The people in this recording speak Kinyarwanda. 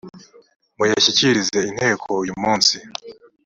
muyashyikiriza inteko uyumunsi.